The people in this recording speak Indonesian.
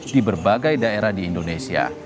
di berbagai daerah di indonesia